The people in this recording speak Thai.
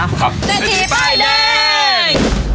เสถีป้ายแดง